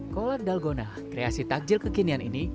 kolon dalgona kreasi takjil kekinian ini